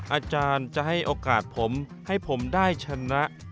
อาจารย์จะให้โอกาสผมให้ผมได้ชนะ